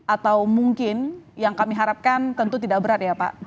atau mungkin yang kami harapkan tentu tidak berat ya pak